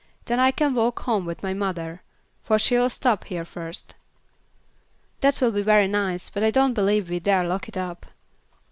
Then I can walk home with my mother, for she'll stop here first." "That will be very nice, but I don't believe we dare lock it up."